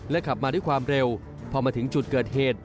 ขับมาด้วยความเร็วพอมาถึงจุดเกิดเหตุ